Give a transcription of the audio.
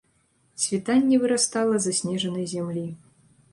Світанне вырастала з аснежанай зямлі.